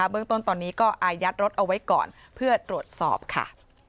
เบื้องต้นตอนนี้ก็อายัดรถเอาไว้ก่อนเพื่อตรวจสอบค่ะ